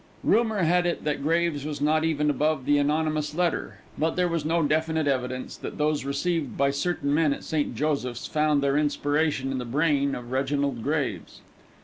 Rumour had it that Graves was not even above the anonymous letter; but there was no definite evidence that those received by certain men at St. Joseph's found their inspiration in the brain of Reginald Graves.